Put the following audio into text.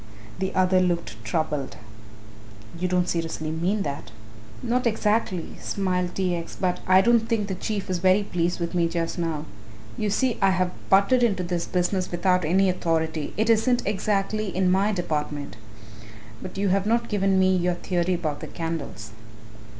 The other looked troubled. "You don't seriously mean that." "Not exactly," smiled T. X., "but I don't think the Chief is very pleased with me just now. You see I have butted into this business without any authority it isn't exactly in my department. But you have not given me your theory about the candles."